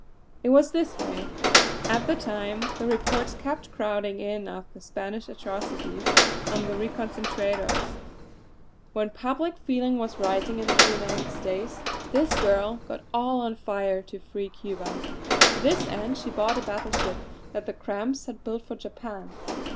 "It was this way. At the time the reports kept crowding in of the Spanish atrocities on the reconcentrados; when public feeling was rising in the United States, this girl got all on fire to free Cuba. To this end she bought a battle ship that the Cramp's had built for Japan.